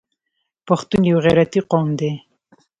پښتون یو غیرتي قوم دی.